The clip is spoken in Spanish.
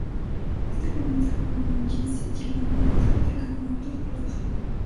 Este comienza con Jessie llegando a una discoteca en un auto de color azul.